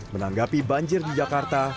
menanggapi banjir di jakarta